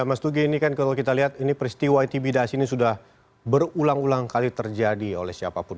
mas nugi kalau kita lihat peristiwa intimidasi ini sudah berulang ulang kali terjadi oleh siapapun